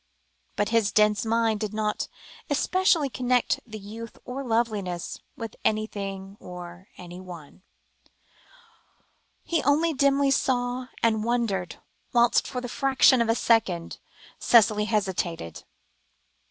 But his dense mind did not especially connect the youth or loveliness with anything or anybody; he only dimly saw and wondered, whilst for the fraction of a second Cicely hesitated.